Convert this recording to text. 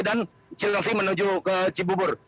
dan cilengsi menuju ke cibubur